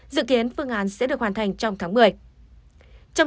dự kiến phương án sẽ được hoàn thành trong tháng một mươi